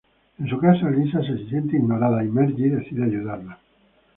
En su casa, Lisa se siente ignorada y Marge decide ayudarla.